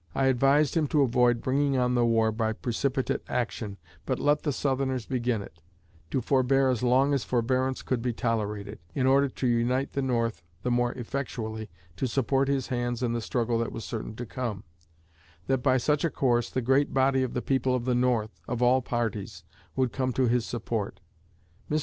I advised him to avoid bringing on the war by precipitate action, but let the Southerners begin it; to forbear as long as forbearance could be tolerated, in order to unite the North the more effectually to support his hands in the struggle that was certain to come; that by such a course the great body of the people of the North, of all parties, would come to his support. Mr.